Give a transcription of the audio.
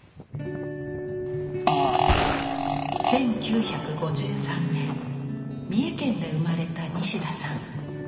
１９５３年三重県で生まれた西田さん。